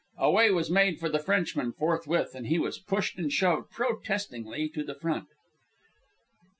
A way was made for the Frenchman forthwith, and he was pushed and shoved, protestingly, to the front.